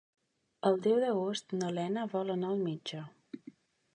El deu d'agost na Lena vol anar al metge.